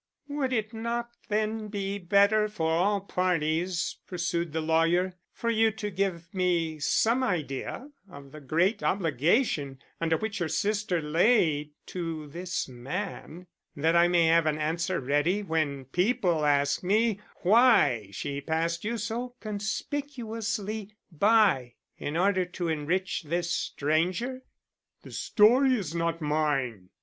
"Would it not then be better for all parties," pursued the lawyer, "for you to give me some idea of the great obligation under which your sister lay to this man, that I may have an answer ready when people ask me why she passed you so conspicuously by, in order to enrich this stranger?" "The story is not mine.